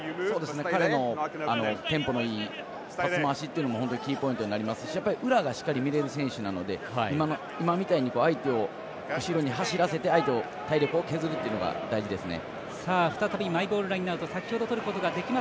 彼のテンポのいいパス回しっていうのもキーポイントになりますし裏がしっかり見れる選手なので今みたいに相手を後ろに走らせて体力を削るっていうのが大事ですね。